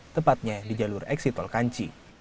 tepatnya di jalur eksitol kanci